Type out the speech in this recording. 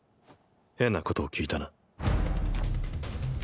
変なことを聞いたな。